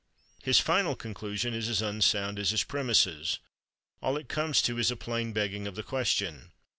His final conclusion is as unsound as his premisses. All it comes to is a plain begging of the question.